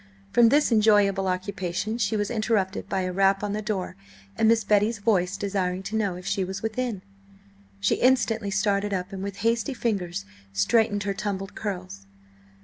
From this enjoyable occupation she was interrupted by a rap on the door, and Miss Betty's voice desiring to know if she was within. She instantly started up and with hasty fingers straightened her tumbled curls.